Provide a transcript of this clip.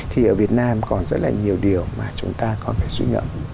thì ở việt nam còn rất là nhiều điều mà chúng ta còn phải suy ngẫm